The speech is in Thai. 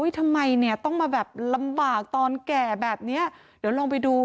ทำไมเนี่ยต้องมาแบบลำบากตอนแก่แบบนี้เดี๋ยวลองไปดู